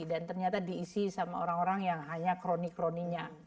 dan ternyata diisi sama orang orang yang hanya kroni kroninya